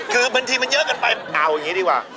คือบางทีมันเยอะเกินไปเอาอย่างนี้ดีกว่า